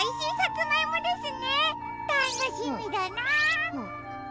たっのしみだな。